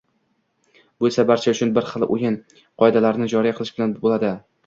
Bu esa barcha uchun bir xil o‘yin qoidalarini joriy qilish bilan bo‘ladi